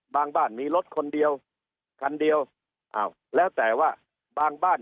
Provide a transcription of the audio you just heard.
บ้านมีรถคนเดียวคันเดียวอ้าวแล้วแต่ว่าบางบ้าน